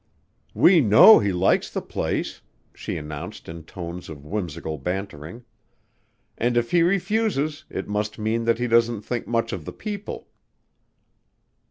"We know he likes the place," she announced in tones of whimsical bantering, "and if he refuses it must mean that he doesn't think much of the people."